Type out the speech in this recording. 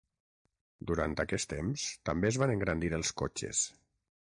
Durant aquest temps, també es van engrandir els cotxes.